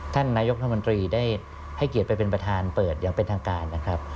ท่านนายกรัฐมนตรีได้ให้เกียรติไปเป็นประธานเปิดอย่างเป็นทางการนะครับ